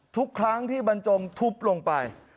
ทุกครั้งที่บรรจงทุบลงไป